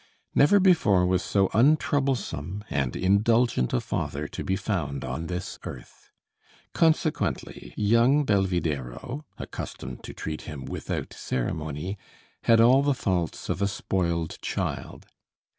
Never before was so untroublesome and indulgent a father to be found on this earth; consequently young Belvidéro, accustomed to treat him without ceremony, had all the faults of a spoiled child.